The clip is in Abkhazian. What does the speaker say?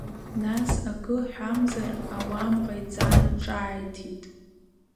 Нас, акы ҳәамзар ауам ҟаиҵан, ҿааиҭит…